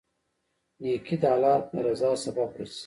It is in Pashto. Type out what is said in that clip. نیکي د الله رضا سبب ګرځي.